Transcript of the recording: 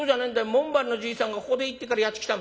門番のじいさんがここでいいって言うからやって来た。